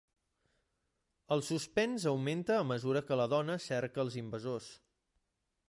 El suspens augmenta a mesura que la dona cerca els invasors.